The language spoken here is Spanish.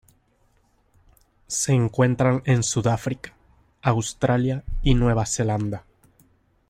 Se encuentran en Sudáfrica, Australia y Nueva Zelanda.